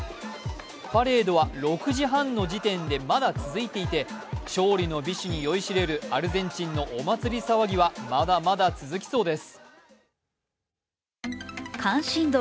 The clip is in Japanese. パレードは６時半の時点でまだ続いていて、勝利の美酒に酔いしれるアルゼンチンのお祭り騒ぎはまだまだ続きそうです。